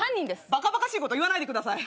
バカバカしいこと言わないでください。